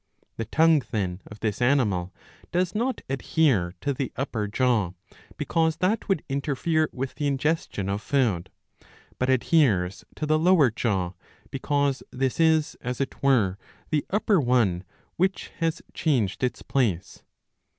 The tongue, then, of this animal does not adhere to the upper jaw, because that would interfere with the ingestion of food, but adheres to the lower jaw, because this is, as it were, the upper one which has changed its place.